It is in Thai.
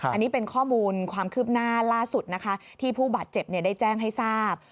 อันนี้เป็นข้อมูลความคืบหน้าล่าสุดนะคะที่ผู้บาดเจ็บได้แจ้งให้ทราบ